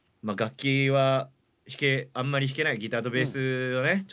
まあ楽器はあんまり弾けないギターとベースがね